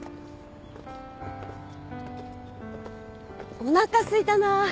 おなかすいたな。